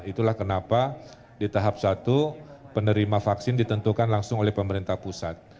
itulah kenapa di tahap satu penerima vaksin ditentukan langsung oleh pemerintah pusat